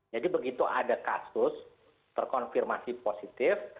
jadi begitu ada kasus terkonfirmasi positif